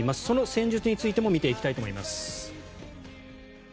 その戦術についても見ていきたいと思います。